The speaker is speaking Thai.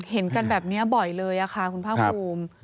เห็นกันแบบนี้บ่อยเลยค่ะคุณภาคภูมิ